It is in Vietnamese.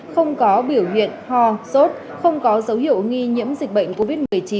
không có biểu hiện ho sốt không có dấu hiệu nghi nhiễm dịch bệnh covid một mươi chín